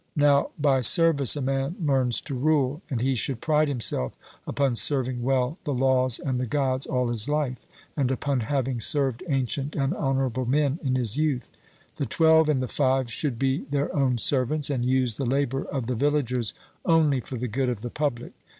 Now by service a man learns to rule; and he should pride himself upon serving well the laws and the Gods all his life, and upon having served ancient and honourable men in his youth. The twelve and the five should be their own servants, and use the labour of the villagers only for the good of the public.